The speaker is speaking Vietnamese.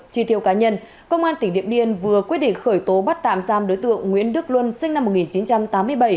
chi tiêu cá nhân công an tỉnh điện biên vừa quyết định khởi tố bắt tạm giam đối tượng nguyễn đức luân sinh năm một nghìn chín trăm tám mươi bảy